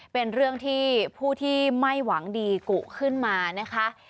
เป็นเรื่องที่ผู้ที่ไม่หวังดีกุขึ้นมานะคะ